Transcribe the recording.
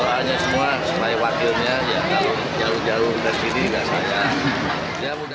untuk meloloskan kepentingan